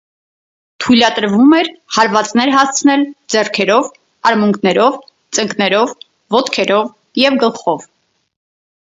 Թույլատրվում էր հարվածներ հասցնել ձեռքերով, արմունկներով, ծնկներով, ոտքերով և գլխով։